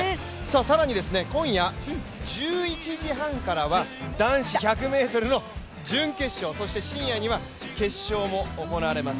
更に、今夜１１時半からは男子１００ｍの準決勝そして深夜には決勝もおこなわれます。